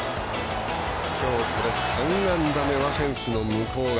きょう３安打目はフェンスの向こう側。